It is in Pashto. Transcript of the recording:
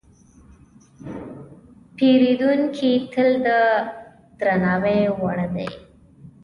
پیرودونکی تل د درناوي وړ دی.